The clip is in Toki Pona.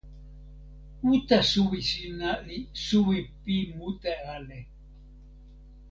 uta suwi sina li suwi pi mute ale.